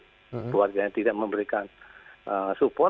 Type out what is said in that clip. keluarganya tidak memberikan support